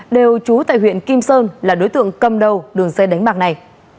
đều trú tại huyện kim sơn là đối tượng cầm đầu đường dây đánh bạc này